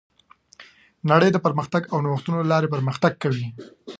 نړۍ د پرمختګ او نوښت له لارې پرمختګ کوي.